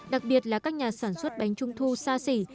đặc biệt là các nhà sản xuất bánh trung thu xa xỉ